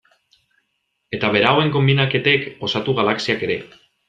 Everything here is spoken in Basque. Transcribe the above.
Eta berauen konbinaketek osatu galaxiak ere.